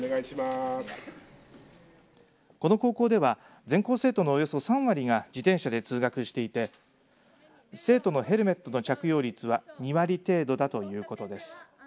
この高校では全校生徒のおよそ３割が自転車で通学していて生徒のヘルメットの着用率は２割程度だということです。